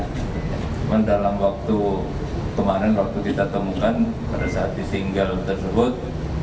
cuman dalam waktu kemarin waktu kita temukan pada saat di single tersebut